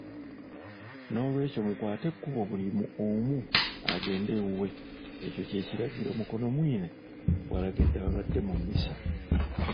“Noolwekyo mukwate ekkubo buli omu agende ewuwe, ekyo ky'ekiragiro,” Mukonomwine bw'alagidde ababadde mu Mmisa.